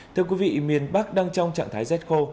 thưa quý vị miền bắc đang trong trạng thái rét khô